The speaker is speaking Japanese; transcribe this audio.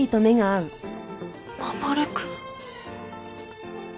守君。